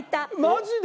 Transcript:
マジで！？